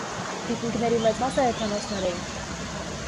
Վիկինգների մեծ մասը հեթանոսներ էին։